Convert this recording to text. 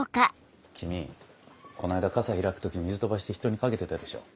君この間傘開く時に水飛ばして人に掛けてたでしょう。